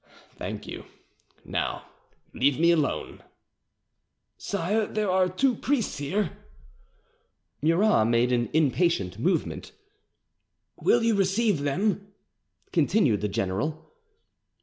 "Thank you. Now leave me alone." "Sire, there are two priests here." Murat made an impatient movement. "Will you receive them?" continued the general.